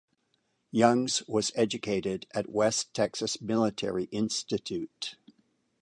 Youngs was educated at West Texas Military Institute.